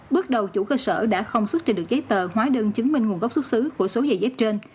bước đầu chủ cơ sở đã không xuất trình được giấy tờ hóa đơn chứng minh nguồn gốc xuất xứ của số dây dép trên